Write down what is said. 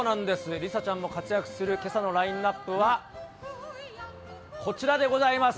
梨紗ちゃんも活躍するけさのラインナップは、こちらでございます。